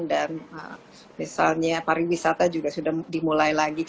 dan misalnya pariwisata juga sudah dimulai lagi